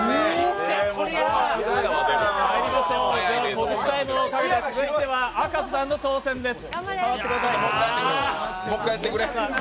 告知タイムをかけて続いては赤楚さんの挑戦です。